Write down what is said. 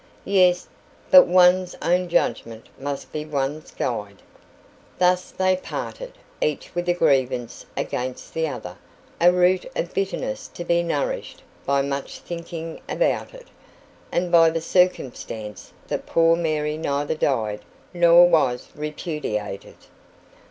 "Yes. But one's own judgment must be one's guide." Thus they parted, each with a grievance against the other a root of bitterness to be nourished by much thinking about it, and by the circumstance that poor Mary neither died nor was repudiated.